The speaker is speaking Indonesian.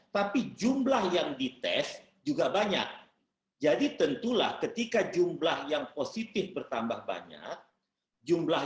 tapi jumlah yang dites juga banyak jadi tentulah ketika jumlah yang positif bertambah banyak jumlah